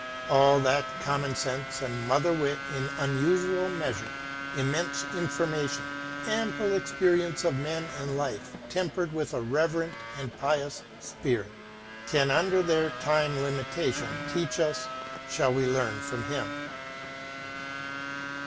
All that common * Tenth Satire. SAMUEL JOHNSON 49 sense and mother wit in unusual measure, immense information, ample experience of men and life tempered with a reverent and pious spirit, can under their time limitation teach us shall we learn from him.